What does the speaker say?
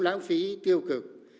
lãng phí tiêu cực